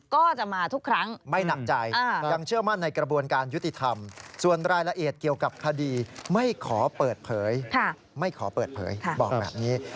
ขอเปิดเพยร์ยไม่ขอเปิดเพยร์ยบอกแบบนี้